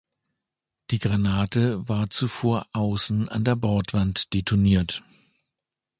Die Granate war zuvor außen an der Bordwand detoniert.